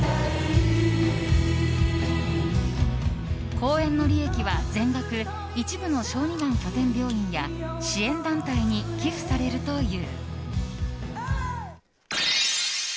公演の利益は全額一部の小児がん拠点病院や支援団体に寄付されるという。